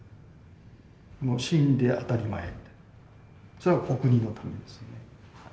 もう死んで当たり前それはお国のためですよね。